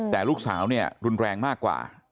แต่ลูกสาวเนี่ยรุนแรงมากกว่า